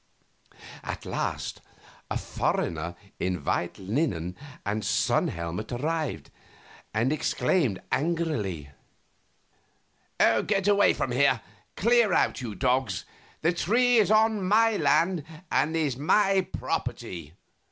At last a foreigner in white linen and sun helmet arrived, and exclaimed, angrily: "Away from here! Clear out, you dogs; the tree is on my lands and is my property."